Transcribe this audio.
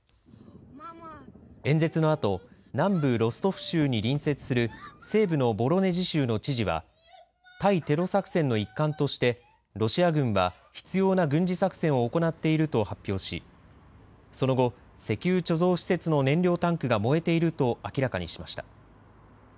演説のあと南部ロストフ州に隣接する西部のボロネジ州の知事は対テロ作戦の一環としてロシア軍は必要な軍事作戦を行っていると発表しその後、石油貯蔵施設の燃料タンクが燃えていると明らかにしました。